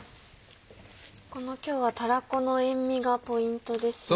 今日はたらこの塩味がポイントですよね。